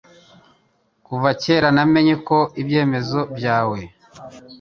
Kuva kera namenye ko ibyemezo byawe